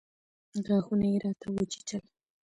غاښونه يې راته وچيچل.